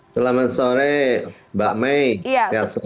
selamat sore mbak may